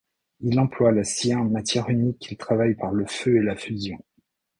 Il emploie la cire, matière unique qu'il travaille par le feu et la fusion.